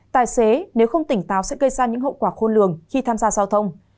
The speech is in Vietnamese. tài xế nếu không tỉnh táo sẽ gây ra những hậu quả khôn lường khi tham gia giao thông